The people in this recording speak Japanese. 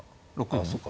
ああそうか